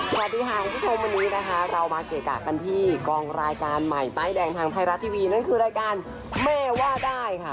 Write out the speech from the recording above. สวัสดีค่ะคุณผู้ชมวันนี้นะคะเรามาเกะกะกันที่กองรายการใหม่ป้ายแดงทางไทยรัฐทีวีนั่นคือรายการแม่ว่าได้ค่ะ